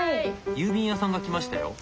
郵便屋さんが来ましたよ。